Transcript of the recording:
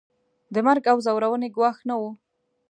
د مرګ او ځورونې ګواښ نه وو.